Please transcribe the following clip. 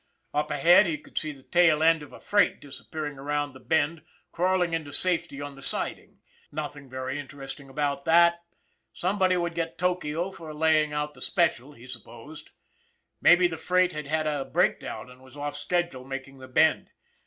Up ahead, he could see the tail end of a freight dis appearing around the bend, crawling into safety on the siding. Nothing very interesting about that, some "WHERE'S HAGGERTY?" 265 body would get Tokio for laying out the Special, he supposed. Maybe the freight had had a breakdown, and was off schedule making the Bend.